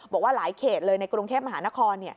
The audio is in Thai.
บอกว่าหลายเขตเลยในกรุงเทพมหานคร